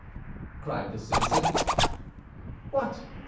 —" cried the citizen. "What!"